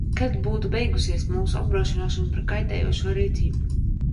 Kad būtu beigusies mūsu apdrošināšana par kaitējošu rīcību?